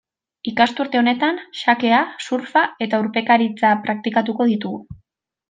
Ikasturte honetan xakea, surfa eta urpekaritza praktikatuko ditugu.